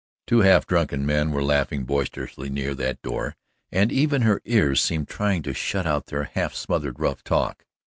Two half drunken men were laughing boisterously near that door and even her ears seemed trying to shut out their half smothered rough talk.